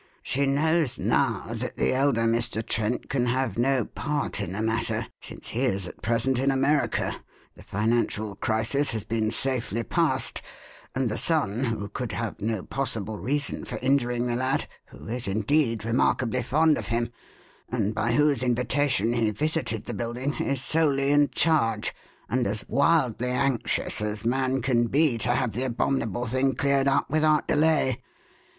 She knows now that the elder Mr. Trent can have no part in the matter, since he is at present in America, the financial crisis has been safely passed, and the son who could have no possible reason for injuring the lad, who is, indeed, remarkably fond of him, and by whose invitation he visited the building is solely in charge and as wildly anxious as man can be to have the abominable thing cleared up without delay.